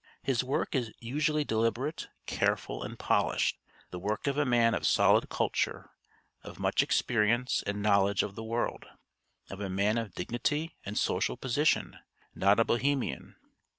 His work is usually deliberate, careful, and polished: the work of a man of solid culture, of much experience and knowledge of the world; of a man of dignity and social position, not a Bohemian.